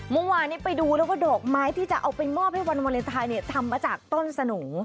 เมื่อวานนี้ไปดูแล้วว่าดอกไม้ที่จะเอาไปมอบให้วันวาเลนไทยเนี่ยทำมาจากต้นสนู